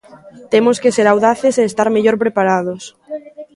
Temos que ser audaces e estar mellor preparados.